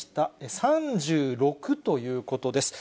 ３６ということです。